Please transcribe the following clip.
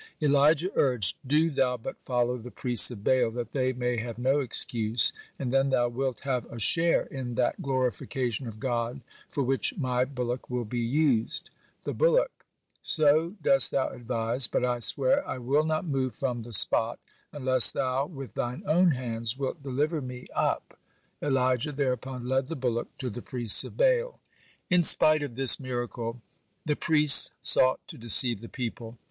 Elijah urged: "Do thou but follow the priests of Baal that they may have no excuse, and then thou wilt have a share in that glorification of God for which my bullock will be used." The bullock: "So dost thou advise, but I swear I will not move from the spot, unless thou with thine own hands wilt deliver me up." Elijah thereupon led the bullock to the priests of Baal. (14) In spite of this miracle, the priests sought to deceive the people.